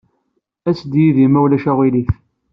As-d yid-i, ma ulac aɣilif.